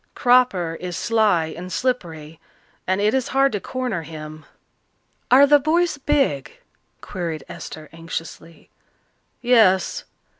Cropper is sly and slippery, and it is hard to corner him." "Are the boys big?" queried Esther anxiously. "Yes.